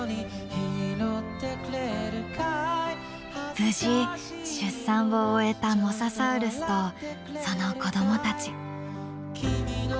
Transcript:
無事出産を終えたモササウルスとその子どもたち。